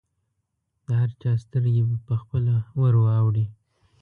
د هر چا سترګې به پخپله ورواوړي.